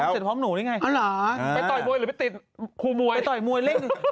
เสร็จพร้อมหนูนี่ไงอ๋อเหรอไปต่อยมวยหรือไปติดครูมวยต่อยมวยเล่น